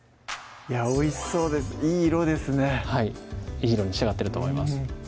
おいしそうですいい色ですねはいいい色に仕上がってると思います